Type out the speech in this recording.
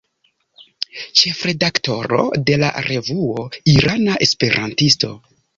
Ĉefredaktoro de la revuo "Irana Esperantisto".